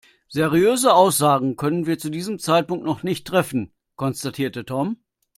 Seriöse Aussagen können wir zu diesem Zeitpunkt noch nicht treffen, konstatierte Tom.